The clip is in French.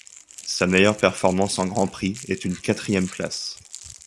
Sa meilleure performance en grand prix est une quatrième place.